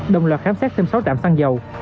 đồng loạt khám xét thêm sáu trạm xăng dầu